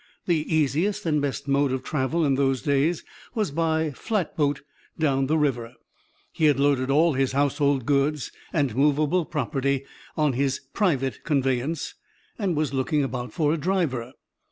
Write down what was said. The easiest and best mode of travel in those days was by flatboat down the river. He had loaded all his household goods and movable property on his "private conveyance" and was looking about for a "driver."